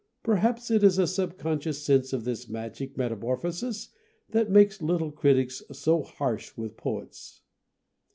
Perhaps it is a sub conscious sense of this magic metamorphosis that makes little critics so harsh with poets.